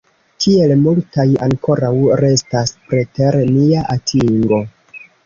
Kiel multaj ankoraŭ restas preter nia atingo!